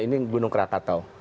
ini gunung krakatau